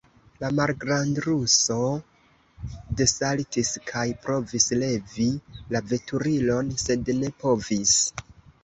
La malgrandruso desaltis kaj provis levi la veturilon, sed ne povis.